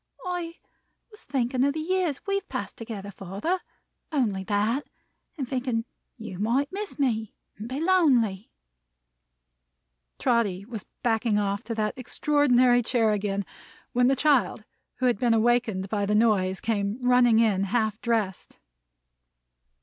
"I was thinking of the years we've passed together, father. Only that. And thinking you might miss me, and be lonely." Trotty was backing off to that extraordinary chair again, when the child, who had been awakened by the noise, came running in, half dressed.